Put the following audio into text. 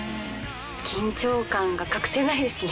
緊張感が隠せないですね